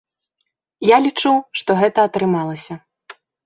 Я лічу, што гэта атрымалася.